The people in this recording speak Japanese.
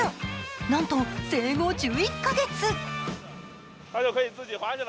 なんと、生後１１カ月。